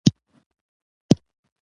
خو خلکو ته یې ثبات راوستی و